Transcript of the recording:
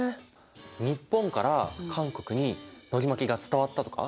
日本から韓国にのり巻きが伝わったとか？